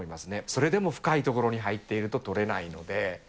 それでも深い所に入っていると取れないので。